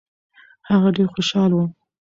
هغه ډېر خوشاله و.